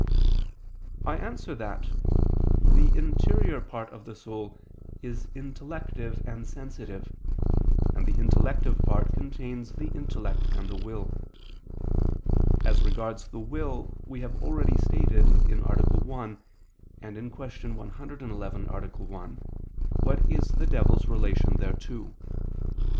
I answer that, The interior part of the soul is intellective and sensitive; and the intellective part contains the intellect and the will. As regards the will, we have already stated (A. 1; I, Q. 111, A. 1) what is the devil's relation thereto.